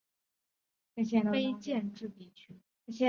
库克斯谷是位于美国加利福尼亚州洪堡县的一个非建制地区。